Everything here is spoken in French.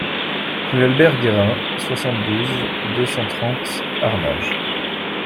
Rue Albert Guérin, soixante-douze, deux cent trente Arnage